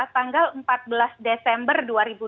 tanggal empat belas desember